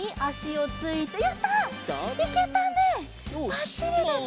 ばっちりです。